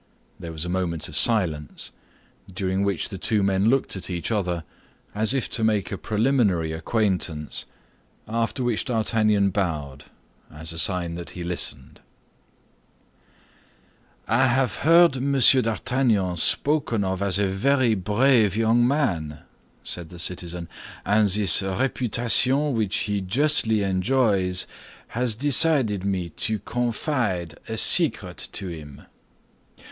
There was a moment of silence, during which the two men looked at each other, as if to make a preliminary acquaintance, after which D'Artagnan bowed, as a sign that he listened. "I have heard Monsieur d'Artagnan spoken of as a very brave young man," said the citizen; "and this reputation which he justly enjoys had decided me to confide a secret to him."